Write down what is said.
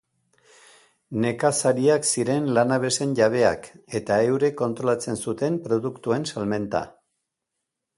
Nekazariak ziren lanabesen jabeak eta eurek kontrolatzen zuten produktuen salmenta.